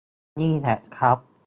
นี่แหละครับ